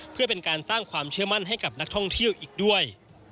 เพื่อเป็นการสร้างความเชื่อมั่นให้กับนักท่องเที่ยวอีกด้วย